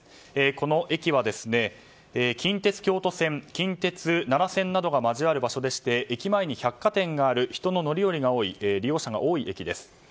この駅は近鉄京都線近鉄奈良線などが交わる場所でして駅前に百貨店がある利用者の多い駅です。